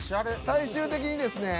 最終的にですね